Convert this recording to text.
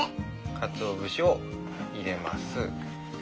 かつお節を入れます。